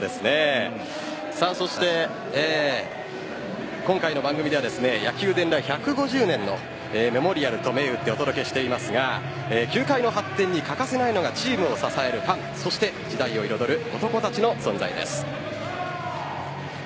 そして今回の番組では野球伝来１５０年のメモリアルと銘打ってお届けしていますが球界の発展に欠かせないのがチームを支えるファンそして時代を彩る男たちの存在です。